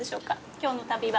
今日の旅は。